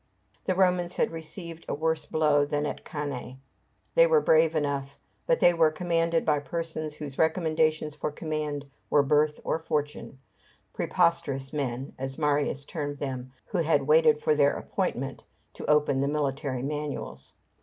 The Romans had received a worse blow than at Cannæ. They were brave enough, but they were commanded by persons whose recommendations for command were birth or fortune; "preposterous men," as Marius termed them, who had waited for their appointment to open the military manuals.